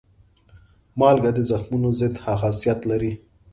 مالګه د زخمونو ضد خاصیت لري.